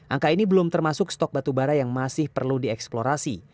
angka ini belum termasuk stok batubara yang masih perlu dieksplorasi